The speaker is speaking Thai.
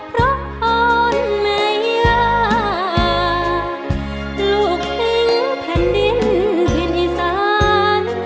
พรบอ้อนแม่ยาลูกทิ้งแผ่นดินที่นิสาน